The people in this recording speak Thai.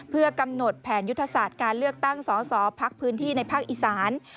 เพื่อกำหนดแผนยุทธศาสตร์การเลือกตั้งสอสอพักพื้นที่ในภาคอีสาน